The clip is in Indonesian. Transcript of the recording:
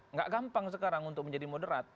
nggak gampang sekarang untuk menjadi moderat